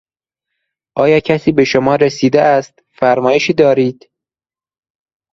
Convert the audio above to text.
آیا کسی به شما رسیده است؟ فرمایشی دارید؟